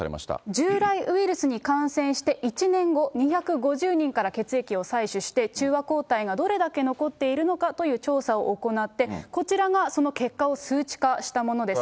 従来ウイルスに感染して１年後、２５０人から血液を採取して、中和抗体がどれだけ残っているのかという調査を行って、こちらがその結果を数値化したものです。